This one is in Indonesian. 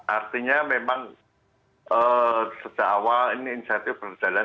artinya memang sejak awal ini insentif berjalan dari bulan ke bulan